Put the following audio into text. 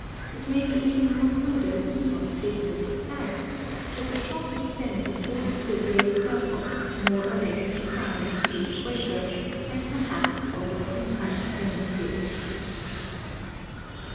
It may beeren concluded, from statements of facts, that the shock extends accord ing to a great circle, more or less inclined to the equator, and per haps over an entire hemisphere.